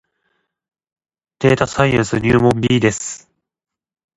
データサイエンス入門 B です